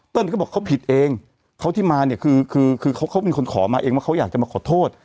เขาบอกเขาผิดเองเขาที่มาเนี่ยคือคือเขาเป็นคนขอมาเองว่าเขาอยากจะมาขอโทษ